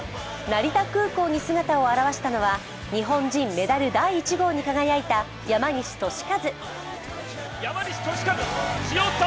成田空港に姿を現したのは日本人メダル第１号に輝いた山西利和。